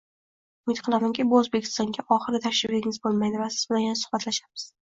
Umid qilamanki, bu Oʻzbekistonga oxirgi tashrifingiz boʻlmaydi va siz bilan yana suhbatlashamiz.